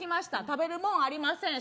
食べるもんありません